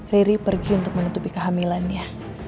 riri pergi untuk menutupi kehamilannya